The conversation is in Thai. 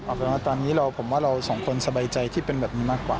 เอาเป็นว่าตอนนี้ผมว่าเราสองคนสบายใจที่เป็นแบบนี้มากกว่า